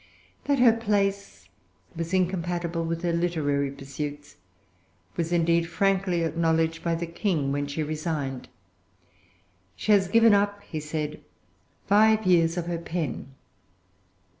That her place was incompatible with her literary pursuits was indeed frankly acknowledged by the King when she resigned. "She has given up," he said, "five years of her pen."